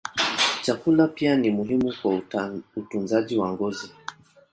Chakula pia ni muhimu kwa utunzaji wa ngozi.